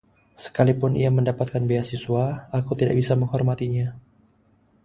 Sekalipun ia mendapatkan beasiswa, aku tidak bisa menghormatinya.